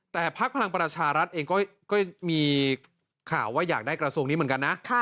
แต่พักพลังประชารัฐเองก็มีข่าวว่าอยากได้กระทรวงนี้เหมือนกันนะ